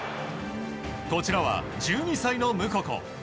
こちらは１２歳のムココ。